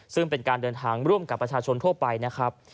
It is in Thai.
ซึ่งเป็นการเดินทางร่วมกับประชาชนทั่วไปนะครับ